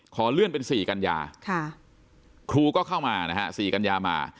ขอเลื่อนเป็น๔กัญญาครูก็เข้ามานะฮะ๔กัญญามา